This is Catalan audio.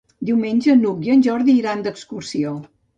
Diumenge n'Hug i en Jordi iran d'excursió.